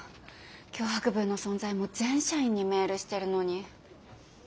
脅迫文の存在も全社員にメールしてるのに。